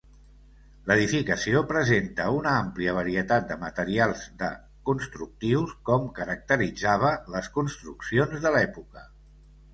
L'edificació presenta una àmplia varietat de materials de constructius com caracteritzava les construccions de l'època.